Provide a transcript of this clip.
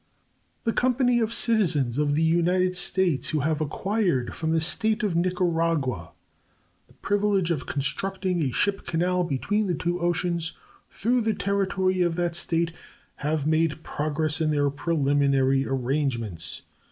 The company of citizens of the United States who have acquired from the State of Nicaragua the privilege of constructing a ship canal between the two oceans through the territory of that State have made progress in their preliminary arrangements.